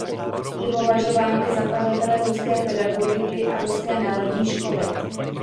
Je považován za zakladatele ruské pedagogiky a ruské národní školy.